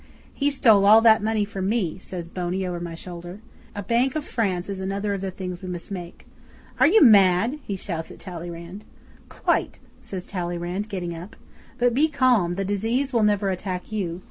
'"He stole all that money from me," says Boney over my shoulder. "A Bank of France is another of the things we must make. Are you mad?" he shouts at Talleyrand. '"Quite," says Talleyrand, getting up. "But be calm. The disease will never attack you.